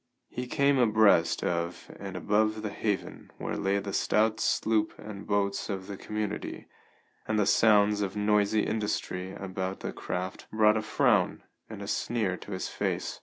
He came abreast of and above the haven where lay the stout sloop and boats of the community, and the sounds of noisy industry about the craft brought a frown and a sneer to his face.